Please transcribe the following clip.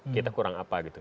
kita kurang apa gitu